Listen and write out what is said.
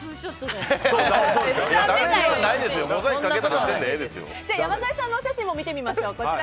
じゃあ山添さんのお写真も見てみましょう。